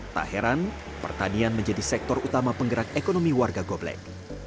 tak heran pertanian menjadi sektor utama penggerak ekonomi warga gobleg